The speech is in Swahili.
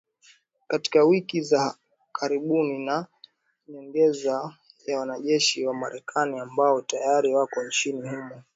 katika wiki za karibuni na ni nyongeza ya wanajeshi wa Marekani ambao tayari wako nchini humo